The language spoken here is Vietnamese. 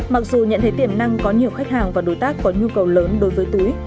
mặc dù nhận thấy tiềm năng có nhiều khách hàng và đối tác có nhu cầu lớn đối với túi